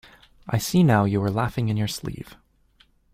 I see now you were laughing in your sleeve.